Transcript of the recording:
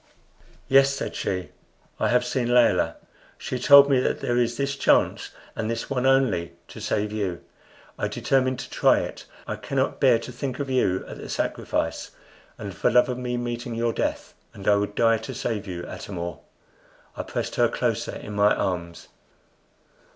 "Yes," said she. "I have seen Layelah. She told me that there is this chance and this one only to save you. I determined to try it. I cannot bear to think of you at the sacrifice and for love of me meeting your death for I would die to save you, Atam or." I pressed her closer in my arms.